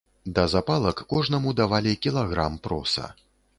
Да запалак кожнаму давалі кілаграм проса.